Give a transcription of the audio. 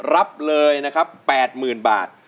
รับเลยนะครับ๘๐๐๐บาท